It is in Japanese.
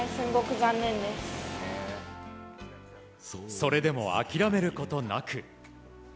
それでも諦めることなく。